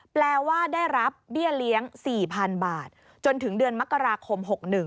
แปลว่าได้รับเบี้ยเลี้ยง๔๐๐๐บาทจนถึงเดือนมกราคม๖๑